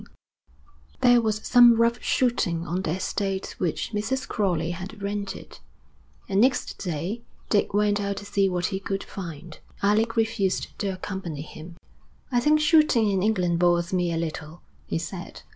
IV There was some rough shooting on the estate which Mrs. Crowley had rented, and next day Dick went out to see what he could find. Alec refused to accompany him. 'I think shooting in England bores me a little,' he said.